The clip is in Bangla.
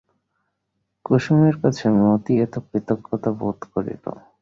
কুসুমের কাছে মতি এত কৃতজ্ঞতা বোধ করিল।